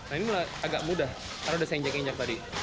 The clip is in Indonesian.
nah ini agak mudah karena sudah saya injak injak tadi